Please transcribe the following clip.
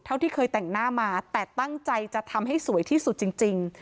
เท่าที่เคยแต่งหน้ามาแต่ตั้งใจจะทำให้สวยที่สุดจริง